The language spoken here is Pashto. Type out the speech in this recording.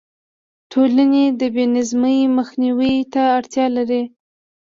ټولنې د بې نظمۍ مخنیوي ته اړتیا لري.